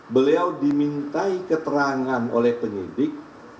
beliau dimintai keterangan oleh penyidik